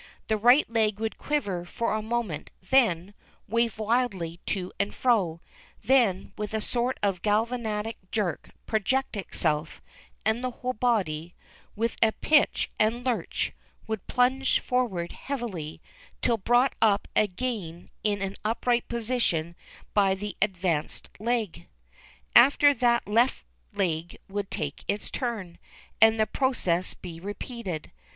The right leg would quiver for a moment, then wave wildly to and fro, then with a sort of galvanic jerk project itself, and the whole body, with a pitch and a lurch, would plunge forward heavily, till brought up again in an upright position by the advanced leg. SNOY/Y PETER. 335 After that the left leg would take its turn, and the pro cess be repeated.